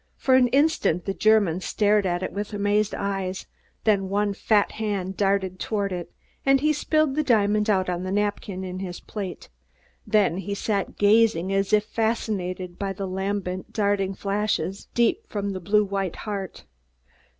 For an instant the German stared at it with amazed eyes, then one fat hand darted toward it, and he spilled the diamond out on the napkin in his plate. Then he sat gazing as if fascinated by the lambent, darting flashes deep from the blue white heart.